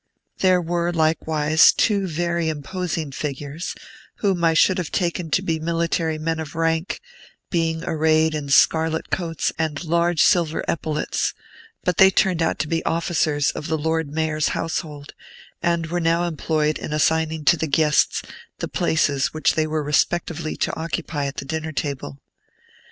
There were likewise two very imposing figures, whom I should have taken to be military men of rank, being arrayed in scarlet coats and large silver epaulets; but they turned out to be officers of the Lord Mayor's household, and were now employed in assigning to the guests the places which they were respectively to occupy at the dinner table.